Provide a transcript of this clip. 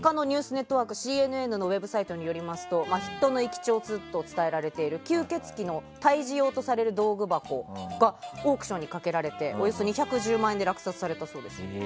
ネットワークＣＮＮのウェブサイトによりますと人の生き血を吸うといわれている吸血鬼の退治用といわれている道具箱がオークションにかけられておよそ２１０万円で落札されたそうです。